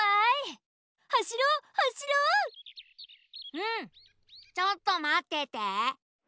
うんちょっとまってて。